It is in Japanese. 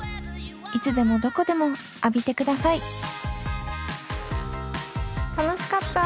いつでもどこでも浴びてください楽しかった。